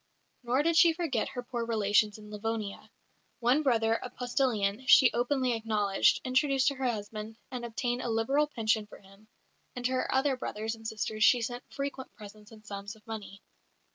Nor did she forget her poor relations in Livonia. One brother, a postillion, she openly acknowledged, introduced to her husband, and obtained a liberal pension for him; and to her other brothers and sisters she sent frequent presents and sums of money.